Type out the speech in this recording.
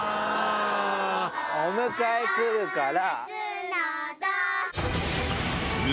お迎え来るから。